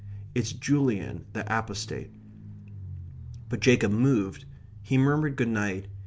It's Julian the Apostate. But Jacob moved. He murmured good night.